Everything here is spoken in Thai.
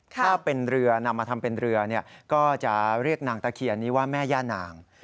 ถ้าเป็นเรือนำมาทำเป็นเรือก็จะเรียกนางตะเคียนนี้ว่าแม่ย่านาง